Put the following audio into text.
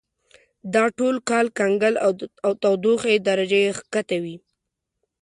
دا ټول کال کنګل او تودوخې درجه یې کښته وي.